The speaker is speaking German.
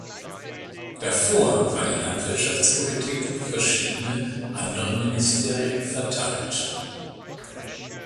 Davor war die Landwirtschaftspolitik auf verschiedene andere Ministerien verteilt.